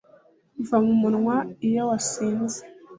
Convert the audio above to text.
biva mumunwa iyo wasinze